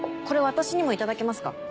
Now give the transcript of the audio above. これ私にもいただけますか？